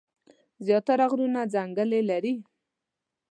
زيات تره غرونه ځنګلې لري ـ